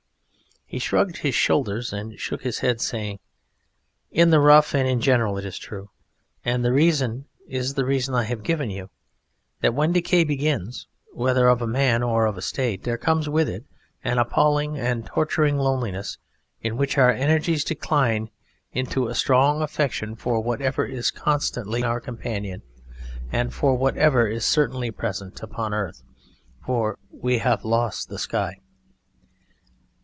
He shrugged his shoulders and shook his head, saying, "In the rough and in general it is true; and the reason is the reason I have given you, that when decay begins, whether of a man or of a State, there comes with it an appalling and a torturing loneliness in which our energies decline into a strong affection for whatever is constantly our companion and for whatever is certainly present upon earth. For we have lost the sky."